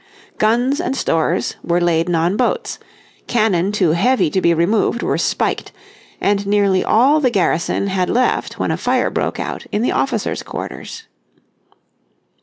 Guns and stores were laden on boats, cannon too heavy to be removed were spiked, and nearly all the garrison had left when a fire broke out in the officers' quarters.